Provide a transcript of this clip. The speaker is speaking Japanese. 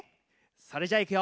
それじゃいくよ。